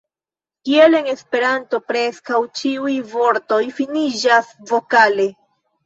Kiel en Esperanto, preskaŭ ĉiuj vortoj finiĝas vokale.